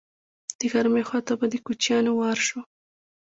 د غرمې خوا ته به د کوچیانو وار شو.